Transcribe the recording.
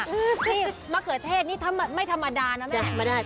นี่มะเขือเทศนี่ถ้าไม่ธรรมดานะแม่